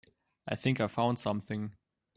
I think I found something.